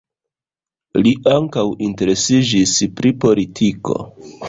Li ankaŭ interesiĝis pri politiko.